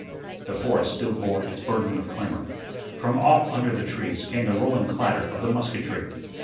The forest still bore its burden of clamor. From off under the trees came the rolling clatter of the musketry.